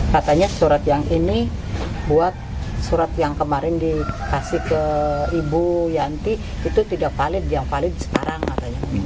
katanya surat yang ini buat surat yang kemarin dikasih ke ibu yanti itu tidak valid yang valid sekarang katanya